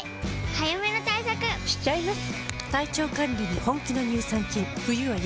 早めの対策しちゃいます。